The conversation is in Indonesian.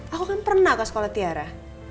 aku kan pernah ke sekolah tiara